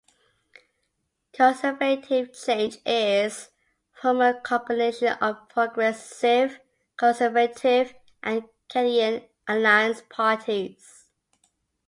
Conservative change is from a combination of Progressive Conservative and Canadian Alliance parties.